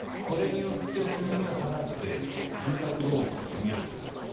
これによって金利が下がって住宅ローンが組みやすくなる。